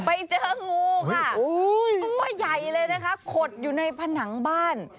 ไปเจองูค่ะตัวใหญ่เลยนะคะขดอยู่ในผนังบ้าน